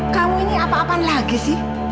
kamu ini apa apaan lagi sih